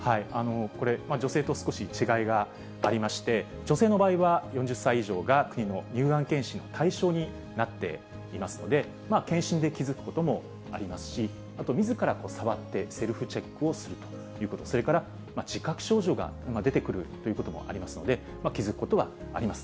これ、女性と少し違いがありまして、女性の場合は４０歳以上が国の乳がん検診の対象になっていますので、検診で気付くこともありますし、あとみずから触ってセルフチェックをするということ、それから自覚症状が出てくるということもありますので、気付くことはあります。